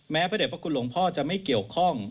พระเด็จพระคุณหลวงพ่อจะไม่เกี่ยวข้อง